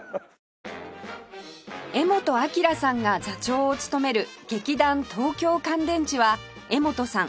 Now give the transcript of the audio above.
柄本明さんが座長を務める劇団東京乾電池は柄本さん